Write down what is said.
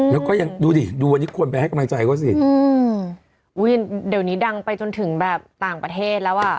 แล้วก็ยังดูดิดูวันนี้คนไปให้กำลังใจเขาสิอืมอุ้ยเดี๋ยวนี้ดังไปจนถึงแบบต่างประเทศแล้วอ่ะ